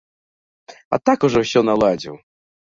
А так ужо ўсё наладзіў.